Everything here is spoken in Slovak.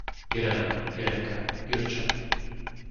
Irena, Irenka, Irča